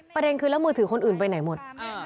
ประเด็นคือแล้วมือถือคนอื่นไปไหนหมด